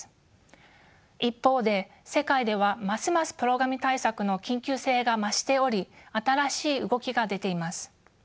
一方で世界ではますますプラごみ対策の緊急性が増しており新しい動きが出ています。